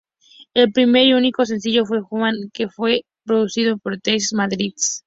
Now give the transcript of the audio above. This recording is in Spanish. El primer y unico sencillo fue "Human" que fue producido por The Matrix.